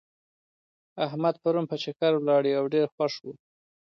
احمد پرون په چکر ولاړی او ډېر خوښ و.